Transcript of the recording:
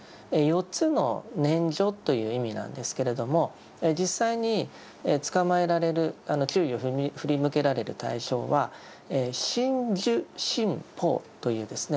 ４つの念処という意味なんですけれども実際につかまえられる注意を振り向けられる対象は「身・受・心・法」というですね